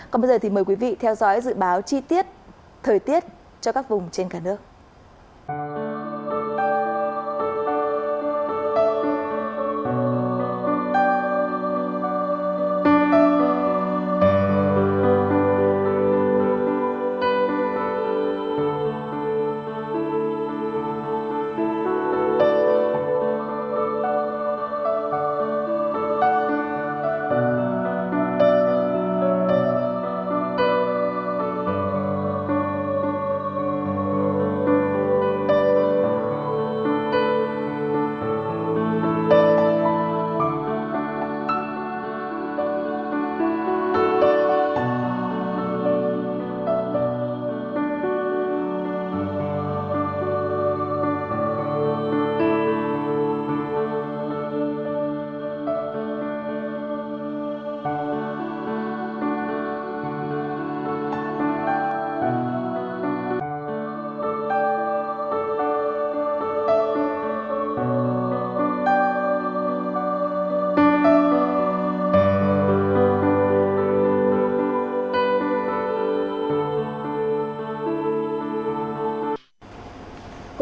còn bây giờ thì mời quý vị theo dõi dự báo chi tiết thời tiết cho các vùng trên cả nước